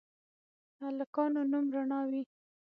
هلکانو نوم رڼا وي